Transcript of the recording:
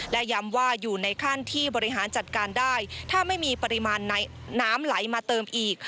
และย้ำว่าอยู่ในขั้นที่บริหารจัดการได้ถ้าไม่มีปริมาณน้ำไหลมาเติมอีก